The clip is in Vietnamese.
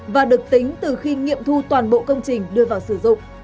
và được tính từ khi nghiệm thu toàn bộ công trình đưa vào sử dụng